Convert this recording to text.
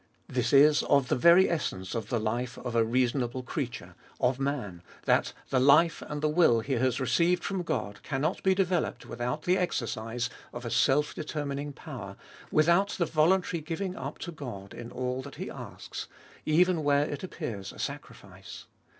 This is of the very essence of the life of a reasonable creature, of man, that the life and the will he has received from God cannot be developed without the exercise of Dolfest ot Bll iss a self determining power, without the voluntary giving up to God in all that He asks, even where it appears a sacrifice.